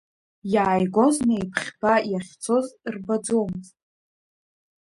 Иааигоз неиԥхьба иахьцоз рбаӡомызт.